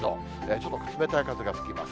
ちょっと冷たい風が吹きます。